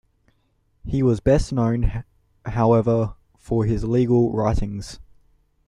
He was best known, however, for his legal writings.